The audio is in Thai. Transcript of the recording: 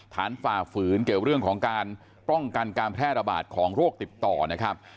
ฝ่าฝืนเกี่ยวเรื่องของการป้องกันการแพร่ระบาดของโรคติดต่อนะครับ